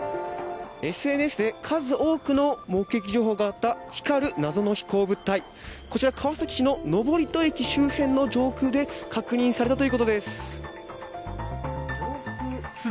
ＳＮＳで数多くの目撃情報があった光る謎の飛行物体、こちら、川崎市の登戸駅周辺の上空で確認されたということです。